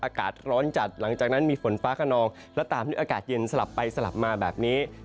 อากาศร้อนจัดหลังจากนั้นมีฝนฟ้าขนองและตามด้วยอากาศเย็นสลับไปสลับมาแบบนี้